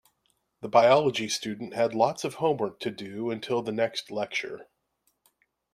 The biology students had lots of homework to do until the next lecture.